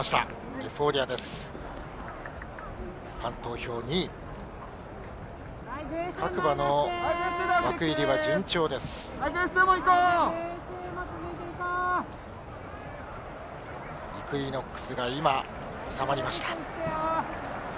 イクイノックスが収まりました。